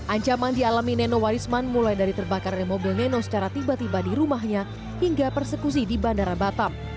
ancaman dialami nenowarisman mulai dari terbakar remobil neno secara tiba tiba di rumahnya hingga persekusi di bandara batam